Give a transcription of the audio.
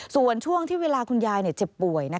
ส่วนช่วงที่เวลาคุณยายเจ็บป่วย